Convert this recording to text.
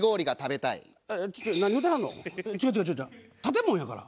建物やから。